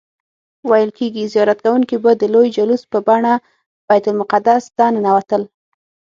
ویل کیږي زیارت کوونکي به د لوی جلوس په بڼه بیت المقدس ته ننوتل.